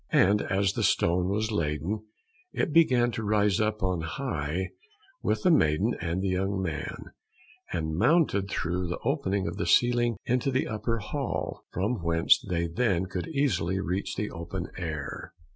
As soon as the stone was laden, it began to rise up on high with the maiden and the young man, and mounted through the opening of the ceiling into the upper hall, from whence they then could easily reach the open air.